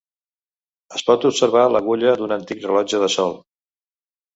Es pot observar l'agulla d'un antic rellotge de sol.